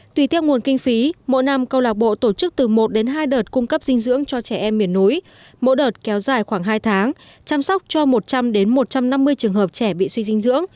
tùy theo nguồn kinh phí mỗi năm câu lạc bộ tổ chức từ một đến hai đợt cung cấp dinh dưỡng